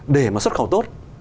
để mà xuất khẩu tốt